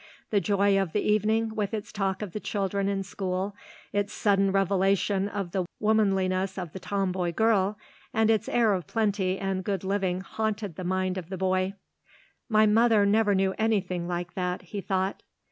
The joy of the evening with its talk of the children in school, its sudden revelation of the womanliness of the tomboy girl, and its air of plenty and good living haunted the mind of the boy. "My mother never knew anything like that," he thought.